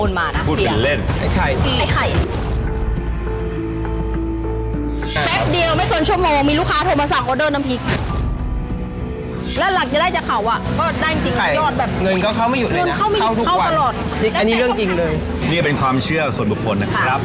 เข้าไม่อยู่เลยนะเข้าทุกวันจริงอันนี้เรื่องจริงเลยนี่เป็นความเชื่อส่วนบุคคลนะครับ